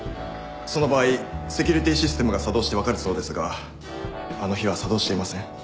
その場合セキュリティーシステムが作動して分かるそうですがあの日は作動していません。